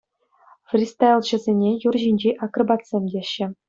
Фристайлҫӑсене юр ҫинчи акробатсем теҫҫӗ.